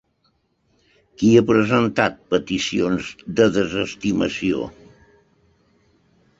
Qui ha presentat peticions de desestimació?